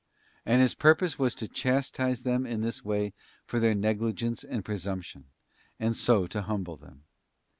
And His purpose was to chastise them in this way for their negligence and presumption, and so to humble them.